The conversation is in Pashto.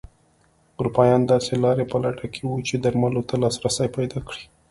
اروپایان داسې لارې په لټه کې وو چې درملو ته لاسرسی پیدا کړي.